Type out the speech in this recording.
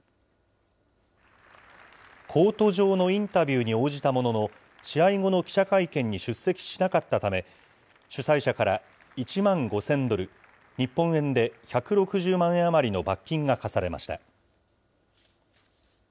コート上のインタビューに応じたものの、試合後の記者会見に出席しなかったため、主催者から１万５０００ドル、日本円で１６０万円余りの罰金が科されました。